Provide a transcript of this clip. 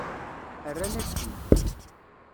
Rran-ak-t-id.